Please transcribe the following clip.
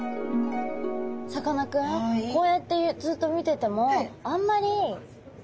さかなクンこうやってずっと見ててもあんまり動かないんですね。